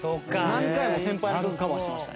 何回も先輩の曲カバーしてました。